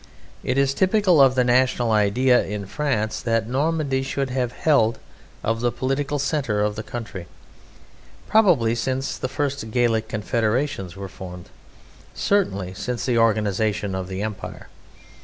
It is typical of the national idea in France that Normandy should have "held" of the political centre of the country, probably since the first Gallic confederations were formed, certainly since the organization of the Empire.